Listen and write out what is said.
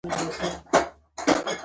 • شتمن سړی د صبر خاوند وي.